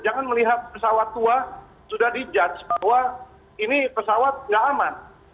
jangan melihat pesawat tua sudah di judge bahwa ini pesawat nggak aman